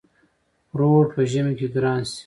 پروړ په ژمی کی ګران شی.